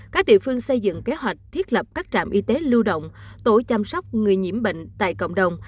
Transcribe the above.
các địa phương xây dựng kế hoạch thiết lập các trạm y tế lưu động tổ chăm sóc người nhiễm bệnh tại cộng đồng